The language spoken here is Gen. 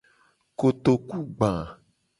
Kotoku gba.